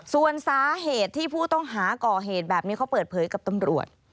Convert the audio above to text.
ส่วนสาเหตุที่ผู้ต้องหาก่อเหตุแบบนี้เขาเปิดเผยกับตำรวจ